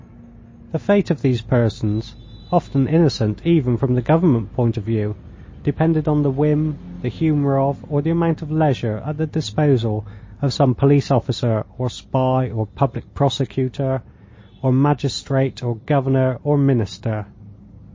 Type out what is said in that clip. The fate of these persons, often innocent even from the government point of view, depended on the whim, the humour of, or the amount of leisure at the disposal of some police officer or spy, or public prosecutor, or magistrate, or governor, or minister.